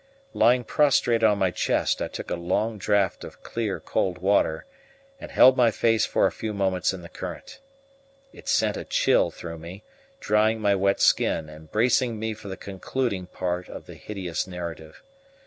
Lying prostrate on my chest, I took a long draught of clear cold water, and held my face for a few moments in the current. It sent a chill through me, drying my wet skin, and bracing me for the concluding part of the hideous narrative.